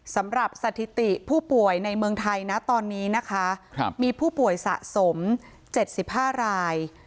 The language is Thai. สำหรับสถิติผู้ป่วยในเมืองไทยนะตอนนี้นะคะมีผู้ป่วยสะสม๗๕ราย